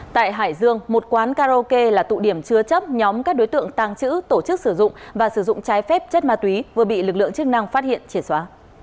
tại hải dương một quán karaoke là tụ điểm chứa chấp nhóm các đối tượng tàng trữ tổ chức sử dụng và sử dụng trái phép chất ma túy vừa bị lực lượng chức năng phát hiện triệt xóa